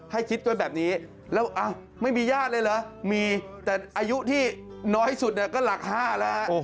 ให้คิดไว้แบบนี้แล้วไม่มีญาติเลยเหรอมีแต่อายุที่น้อยสุดเนี่ยก็หลัก๕แล้วฮะ